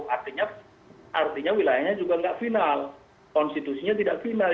artinya wilayahnya juga tidak final konstitusinya tidak final